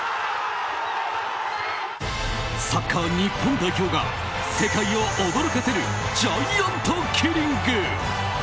サッカー日本代表が世界を驚かせるジャイアントキリング！